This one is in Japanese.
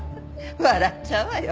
笑っちゃうわよ。